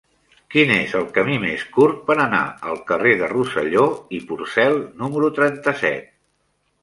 Quin és el camí més curt per anar al carrer de Rosselló i Porcel número trenta-set?